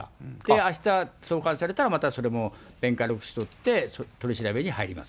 あした送還されたら、またそれもをとって、取り調べに入ります。